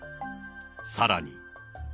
さらに。